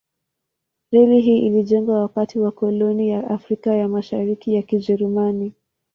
Reli hii ilijengwa wakati wa koloni ya Afrika ya Mashariki ya Kijerumani.